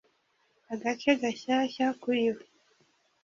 agace gashyashya kuri we